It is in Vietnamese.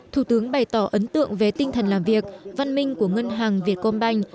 thủ tướng bày tỏ ấn tượng về tinh thần làm việc văn minh của ngân hàng việt công banh